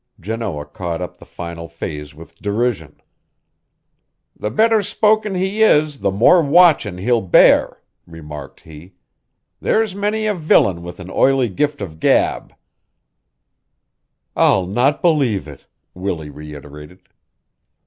Janoah caught up the final phrase with derision. "The better spoken he is the more watchin' he'll bear," remarked he. "There's many a villain with an oily gift of gab." "I'll not believe it!" Willie reiterated.